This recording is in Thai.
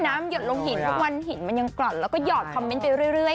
หยดลงหินทุกวันหินมันยังกร่อนแล้วก็หยอดคอมเมนต์ไปเรื่อย